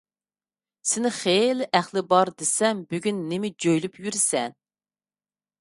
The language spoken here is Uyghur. سېنى خېلى ئەقلى بار دېسەم، بۈگۈن نېمە جۆيلۈپ يۈرىسەن؟